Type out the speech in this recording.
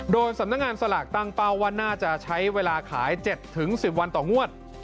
โดยสำนักงานสลากตั้งเป้าว่าน่าจะใช้เวลาขาย๗๑๐วันต่องวด